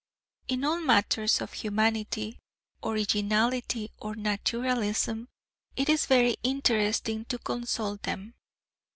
In all matters of humanity, originality, or naturalism, it is very interesting to consult them.